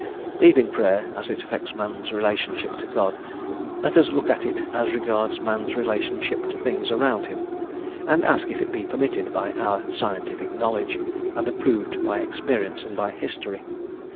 Leaving Prayer, as it affects man's relationship to God, let us look at it as it regards man's relationship to things around him, and ask if it be permitted by our scientific knowledge, and approved by experience and by history.